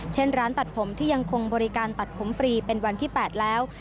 เช่นร้านตัดผมที่ยังคงบริการตัดผมฟรีเป็นวันที่๘แล้ว